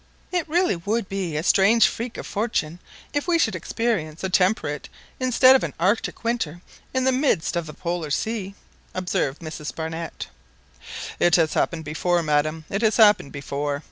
"It really would be a strange freak of fortune if we should experience a temperate instead of an Arctic winter in the midst of the Polar Sea!" observed Mrs Barnett. "It has happened before, madam, it has happened before.